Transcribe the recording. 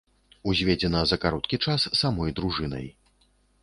Узведзена за кароткі час самой дружынай.